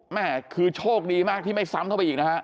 แม่คือโชคดีมากที่ไม่ซ้ำเข้าไปอีกนะฮะ